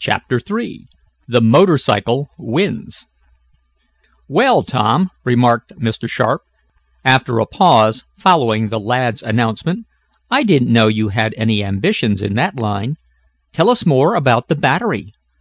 CHAPTER III THE MOTORCYCLE WINS "Well, Tom," remarked Mr. Sharp, after a pause following the lad's announcement. "I didn't know you had any ambitions in that line. Tell us more about the battery.